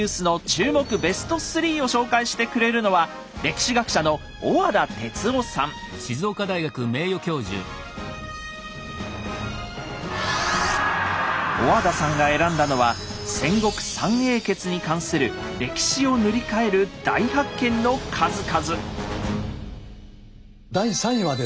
ベスト３を紹介してくれるのは小和田さんが選んだのは戦国三英傑に関する歴史を塗り替える大発見の数々。